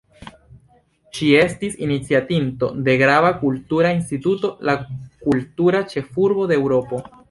Ŝi estis iniciatinto de grava kultura instituto: la “Kultura ĉefurbo de Eŭropo”.